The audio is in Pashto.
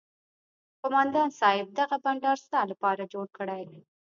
قومندان صايب دغه بنډار ستا لپاره جوړ کړى.